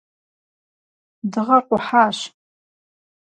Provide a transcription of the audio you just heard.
Дыгъэр къухьащ.